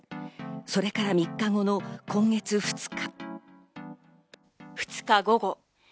それから３日後の今月２日。